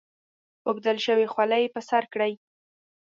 اوبدل شوې خولۍ پر سر کړي.